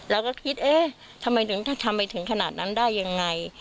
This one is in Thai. เราก็คิดเอ๊ะทำไมถึงขนาดนั้นได้ยังไง